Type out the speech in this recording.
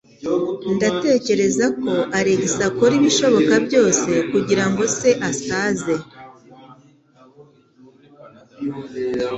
Ndatekereza ko Alex akora ibishoboka byose kugirango se asaze.